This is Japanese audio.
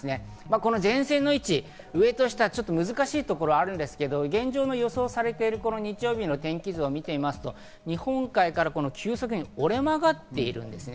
この前線の位置、上と下で難しいところがあるんですけど、現状予想されている日曜日の天気を見てみると、日本海から急速に折れ曲がっているんですね。